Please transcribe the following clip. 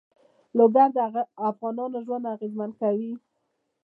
لوگر د افغانانو ژوند اغېزمن کوي.